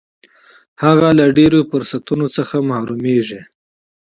هغه له ډېرو فرصتونو څخه محرومیږي.